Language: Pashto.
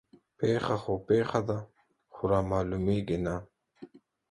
پيښه خو پيښه ده خو رامعلومېږي نه